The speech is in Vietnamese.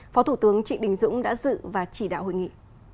phó thủ tướng trịnh đình dũng đã dự và chỉ đạo hội nghị